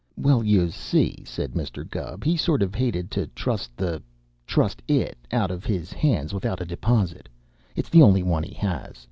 "Well, you see," said Mr. Gubb, "he sort of hated to trust the trust it out of his hands without a deposit. It's the only one he has.